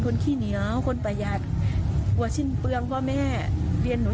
ขี้เหนียวคนประหยัดกลัวสิ้นเปลืองพ่อแม่เรียนหนู